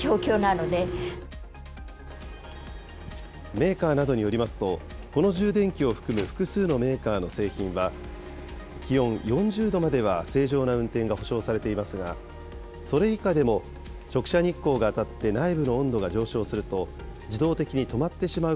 メーカーなどによりますと、この充電器を含む複数のメーカーの製品は、気温４０度までは正常な運転が保証されていますが、それ以下でも、直射日光が当たって内部の温度が上昇すると、自動的に止まってしまう